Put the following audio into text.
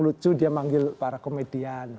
lucu dia manggil para komedian